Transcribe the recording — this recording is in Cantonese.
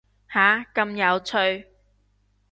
下，咁有趣